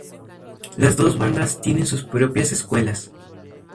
Las dos bandas tienen sus propias escuelas.